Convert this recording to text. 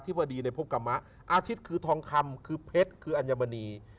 ที่พอดีในภพกรรมะอาชีพคือทองคำคือเพชรคืออัญมณี